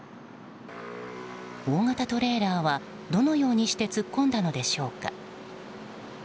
大型トレーラーはどのようにして突っ込んだのでしょうか。